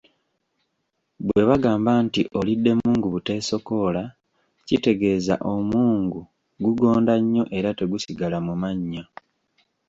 Bwebagamba nti olidde mungu buteesokoola kitegeeza omungu gugonda nnyo era tegusigala mu mannyo.